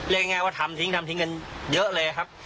ง่ายว่าทำทิ้งทำทิ้งกันเยอะเลยครับ